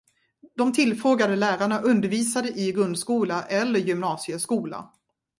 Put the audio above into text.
De tillfrågade lärarna undervisade i grundskola eller gymnasieskola.